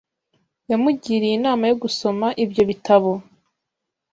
Yamugiriye inama yo gusoma ibyo bitabo .